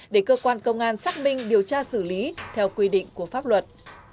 để cơ quan công an xác minh điều tra xử lý theo quy định của pháp luật